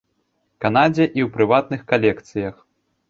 Канадзе і ў прыватных калекцыях.